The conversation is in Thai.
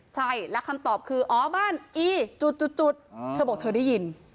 ใช่แล้วคำตอบคืออ๋อบ้านอีจุดเธอบอกเธอได้ยิน